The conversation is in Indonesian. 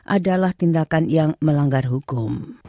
adalah tindakan yang melanggar hukum